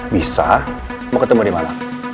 bisa mau ketemu dimana